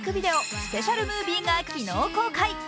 スペシャルムービーが昨日公開。